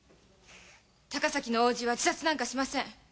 高崎の大おじは自殺なんかしません。